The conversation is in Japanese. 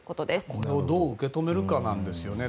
これをどう受け止めるかなんですよね。